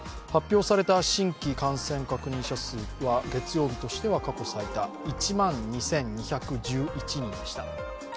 発表された新規感染確認者数は月曜日としては過去最多１万２２１１人でした。